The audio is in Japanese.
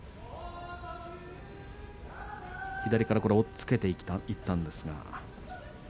左から押っつけていったんですけれど。